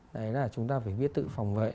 đấy là chúng ta phải viết tự phòng vệ